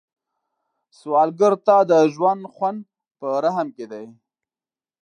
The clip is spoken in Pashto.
سوالګر ته د ژوند خوند په رحم کې دی